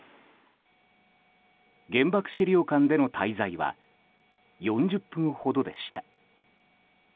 原爆資料館での滞在は４０分ほどでした。